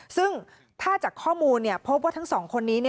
ซึ่งถ้าจากข้อมูลพบว่าทั้งสองคนนี้